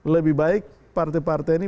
lebih baik partai partai ini